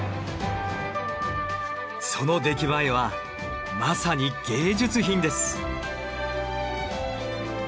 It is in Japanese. その出来栄えはまさに芸術品です。